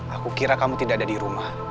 aku kira kamu tidak ada di rumah